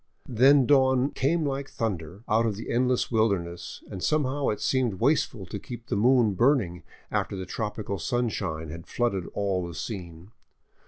Then dawn '' came up like thunder " out of the endless wilderness, and somehow it seemed wasteful to keep the moon burning after the tropical sunshine had flooded all the scene.